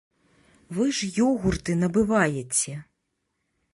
Вы ж ёгурты набываеце!